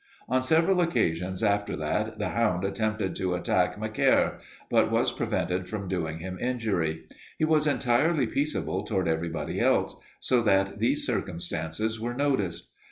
"On several occasions after that the hound attempted to attack Macaire but was prevented from doing him injury. He was entirely peaceable toward everybody else, so that these circumstances were noticed.